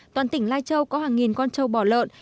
toàn tỉnh lai châu có hàng nghìn con trâu bò lợn